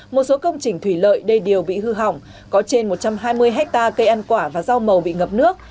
một số công trình thủy lợi đầy điều bị hư hỏng có trên một trăm hai mươi hectare cây ăn quả và rau màu bị ngập nước